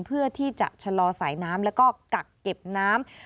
เพื่อที่จะชะลอสายน้ำแล้วก็กักเก็บน้ำ